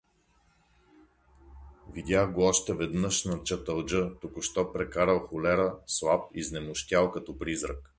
Видях го още веднъж на Чаталджа, току-що прекарал холера, слаб, изнемощял като призрак.